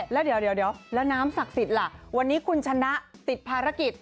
แล้วเดี๋ยวแล้วน้ำศักดิ์สิทธิ์ล่ะวันนี้คุณชนะติดภารกิจ